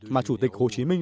mà chủ tịch hồ chí minh